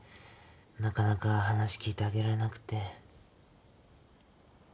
なかなか話聞いてあげられなくて。